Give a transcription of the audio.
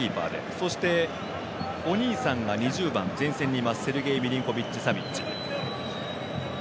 そして、お兄さんが２０番前線にいますセルゲイ・ミリンコビッチ・サビッチ。